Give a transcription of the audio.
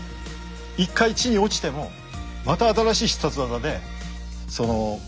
一回地に落ちてもまた新しい必殺技でその怪人を倒す。